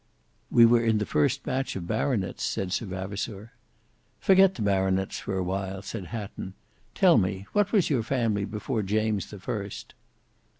"We were in the first batch of baronets," said Sir Vavasour. "Forget the baronets for a while," said Hatton. "Tell me, what was your family before James the First?"